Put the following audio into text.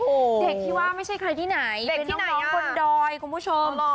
เด็กที่ว่าไม่ใช่ใครที่ไหนเด็กที่น้องบนดอยคุณผู้ชม